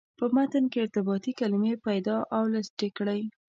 په متن کې ارتباطي کلمې پیدا او لست یې کړئ.